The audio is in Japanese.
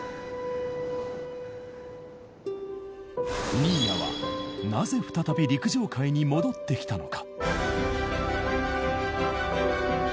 新谷はなぜ再び陸上界に戻ってきたのか。